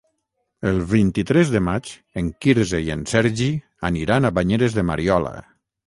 El vint-i-tres de maig en Quirze i en Sergi aniran a Banyeres de Mariola.